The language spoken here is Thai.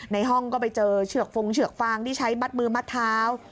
ในห้องก็ไปเจอเฉือกฟงเฉือกฟางที่ใช้มัดมือมัดเท้า